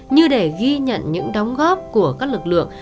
như để ghi nhận những đóng góp của các lực lượng